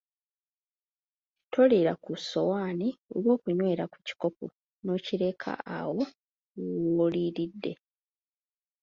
Toliira ku sowaani oba okunywera ku kikopo n‘okireka awo w‘oliiridde.